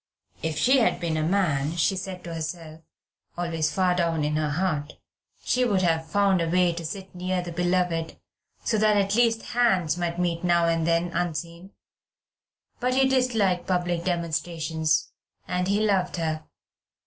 If she had been a man, she said to herself, always far down in her heart, she would have found a way to sit near the beloved, so that at least hands might meet now and then unseen. But he disliked public demonstrations, and he loved her.